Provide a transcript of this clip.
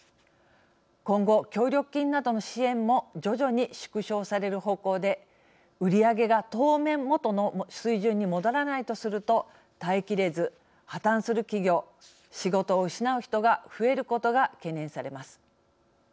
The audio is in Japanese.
今後協力金などの支援も徐々に縮小される方向で売り上げが当面元の水準に戻らないとすると耐えきれず破綻する企業仕事を失う人が増えることが懸念されます。